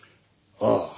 ああ。